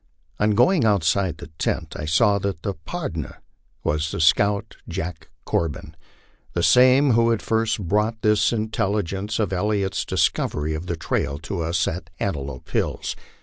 On going outside the tent I saw that the " pardner " was the scout Jack Corbin, the same who had first brought the intelligence of Elliott's discovery of the trail to us at Antelope Hills.